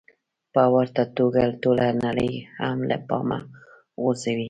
په ورته توګه ټوله نړۍ هم له پامه غورځوي.